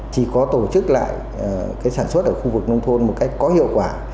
chỉ có tổ chức lại sản xuất ở khu vực nông thôn một cách có hiệu quả